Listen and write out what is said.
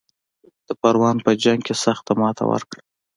د پروان په جنګ کې سخته ماته ورکړه.